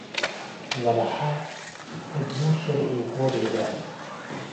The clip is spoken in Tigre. ወለሓ- ት እብ ኖሼ ርኤክወ ቤለ።